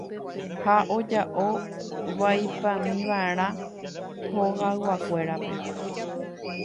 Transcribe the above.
Ha oja'o vaipámiva'erã hogayguakuérape.